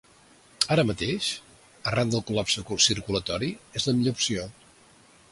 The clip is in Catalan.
Ara mateix, arran del col·lapse circulatori, és la millor opció.